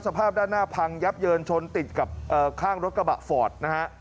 สภาพด้านหน้าพังยับเยินชนติดกับข้างรถกระบะฟอร์ดนะฮะ